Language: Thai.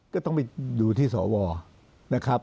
ก็ต้องไปดูที่สวนะครับ